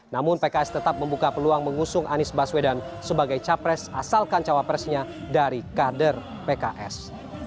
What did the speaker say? namun pks tetap membuka peluang mengusung anies baswedan sebagai capres asalkan cawapresnya dari kader pks